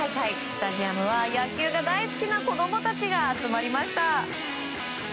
スタジアムは野球が大好きな子供たちが集まりました。